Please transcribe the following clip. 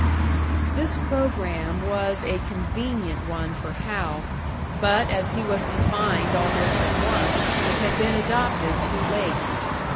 This programme was a convenient one for Hal; but as he was to find almost at once, it had been adopted too late.